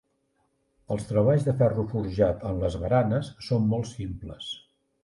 Els treballs de ferro forjat en les baranes són molt simples.